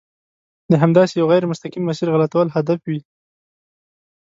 د همداسې یوه غیر مستقیم مسیر غلطول هدف وي.